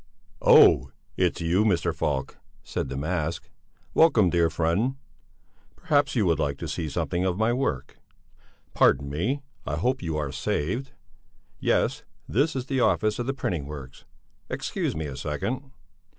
"Oh, it's you, Mr. Falk," said the mask. "Welcome, dear friend! Perhaps you would like to see something of my work? Pardon me, I hope you are saved? Yes, this is the office of the printing works. Excuse me a second."